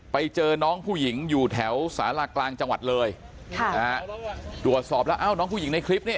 ไปเจอน้องผู้หญิงอยู่แถวสารากลางจังหวัดเลยค่ะนะฮะตรวจสอบแล้วเอ้าน้องผู้หญิงในคลิปนี้